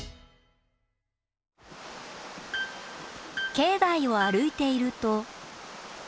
境内を歩いていると。